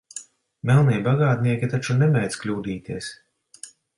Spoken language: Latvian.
Melnie bagātnieki taču nemēdz kļūdīties.